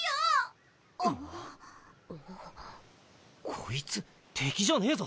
こいつ敵じゃねえぞ。